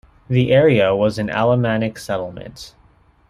The area was an Alemannic settlement.